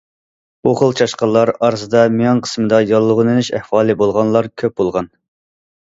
بۇ خىل چاشقانلار ئارىسىدا مېڭە قىسمىدا ياللۇغلىنىش ئەھۋالى بولغانلار كۆپ بولغان.